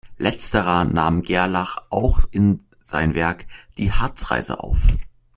Letzterer nahm Gerlach auch in sein Werk "Die Harzreise" auf.